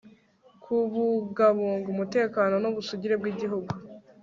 kubungabunga umutekano n'ubusugire bw'igihugu